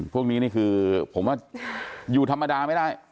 พวกนี้นี่คือผมว่าอยู่ธรรมดาไม่ได้